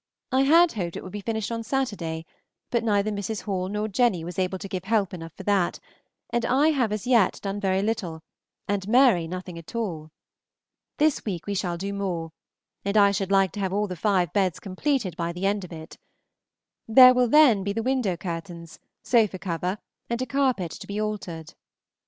I had hoped it would be finished on Saturday, but neither Mrs. Hall nor Jenny was able to give help enough for that, and I have as yet done very little, and Mary nothing at all. This week we shall do more, and I should like to have all the five beds completed by the end of it. There will then be the window curtains, sofa cover, and a carpet to be altered.